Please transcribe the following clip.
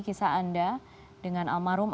kisah anda dengan almarhum